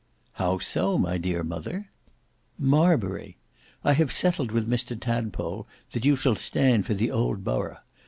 "How so, my dear mother?" "Marbury! I have settled with Mr Tadpole that you shall stand for the old borough.